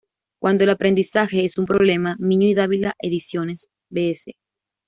Cuando el aprendizaje es un problema, Miño y Dávila Ediciones, Bs.